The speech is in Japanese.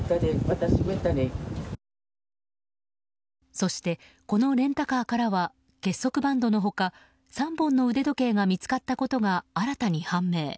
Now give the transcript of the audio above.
そして、このレンタカーからは結束バンドの他３本の腕時計が見つかったことが新たに判明。